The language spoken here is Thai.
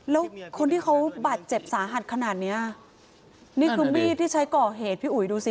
แล้วคนที่เขาบาดเจ็บสาหัสขนาดเนี้ยนี่คือมีดที่ใช้ก่อเหตุพี่อุ๋ยดูสิ